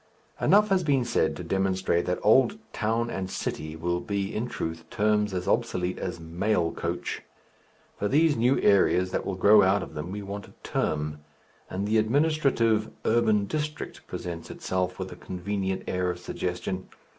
Enough has been said to demonstrate that old "town" and "city" will be, in truth, terms as obsolete as "mail coach." For these new areas that will grow out of them we want a term, and the administrative "urban district" presents itself with a convenient air of suggestion.